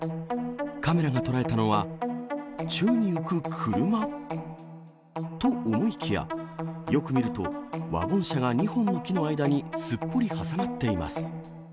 カメラが捉えたのは、宙に浮く車。と思いきや、よく見ると、ワゴン車が２本の木の間にすっぽり挟まっています。